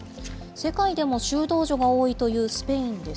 世界でも修道女が多いというスペインです。